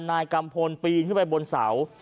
นายกัมพลปีนขึ้นไปบนเสา